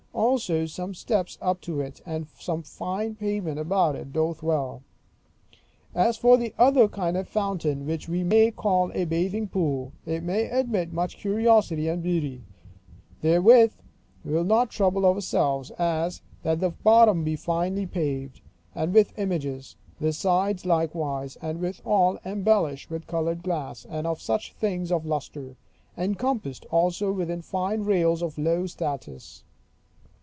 Also some steps up to it, and some fine pavement about it, doth well. As for the other kind of fountain, which we may call a bathing pool, it may admit much curiosity and beauty; wherewith we will not trouble ourselves: as, that the bottom be finely paved, and with images; the sides likewise; and withal embellished with colored glass, and such things of lustre; encompassed also with fine rails of low statuas.